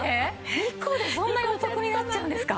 ２個でそんなにお得になっちゃうんですか？